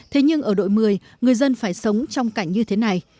thế nhưng ở đội một mươi người dân phải sống trong cảnh như thế này